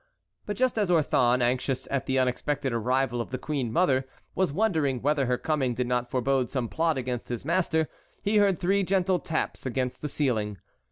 But just as Orthon, anxious at the unexpected arrival of the queen mother, was wondering whether her coming did not forebode some plot against his master, he heard three gentle taps against the ceiling.